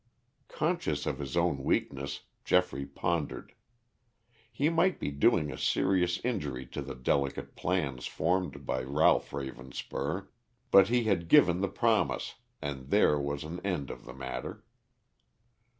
Conscious of his own weakness, Geoffrey pondered. He might be doing a serious injury to the delicate plans formed by Ralph Ravenspur, but he had given the promise and there was an end of the matter.